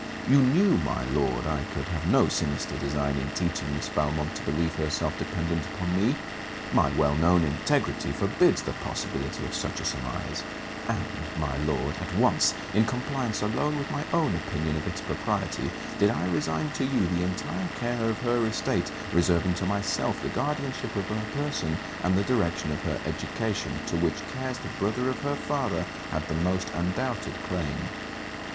You knew, my Lord, I could have no sinister design in teaching Miss Valmont to believe herself dependent upon me. My well known integrity forbids the possibility of such a surmise: and, my Lord, at once, in compliance alone with my own opinion of its propriety did I resign to you the entire care of her estate, reserving to myself the guardianship of her person and the direction of her education, to which cares the brother of her father had the most undoubted claim.